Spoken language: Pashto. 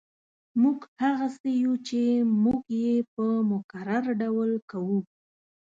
موږ هغه څه یو چې موږ یې په مکرر ډول کوو